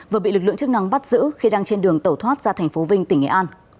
vừa bị lực lượng chức năng bắt giữ khi đang trên đường tẩu thoát ra thành phố vinh tỉnh nghệ an